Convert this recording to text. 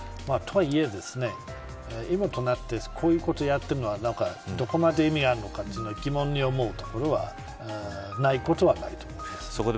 とはいえ、今となってこういうことをやっているのはどこまで意味あるのかというのは疑問に思うところはないことはないと思います。